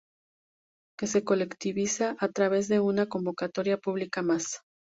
que se colectiviza a través de una convocatoria pública más